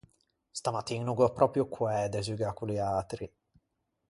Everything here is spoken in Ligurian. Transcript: Stamattin no gh’ò pròpio coæ de zugâ con liatri.